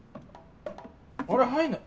あれ入んない。